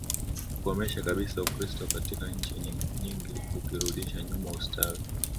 kukomesha kabisa Ukristo katika nchi nyingi ukirudisha nyuma ustawi